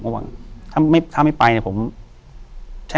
อยู่ที่แม่ศรีวิรัยิลครับ